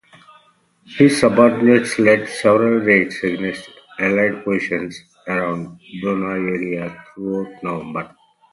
His subordinates led several raids against Allied positions around Buna area throughout November.